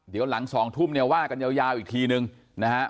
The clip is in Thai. เดี๋ยวหลัง๒ทุ่มเนี่ยว่ากันยาวอีกทีนึงนะฮะ